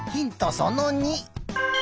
その２。